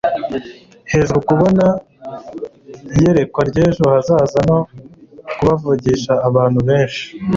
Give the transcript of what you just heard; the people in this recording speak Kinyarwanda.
hejuru, kubona iyerekwa ry'ejo hazaza no kubavugisha abantu benshi